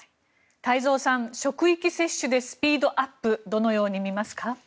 太蔵さん職域接種でスピードアップどのように見ますか？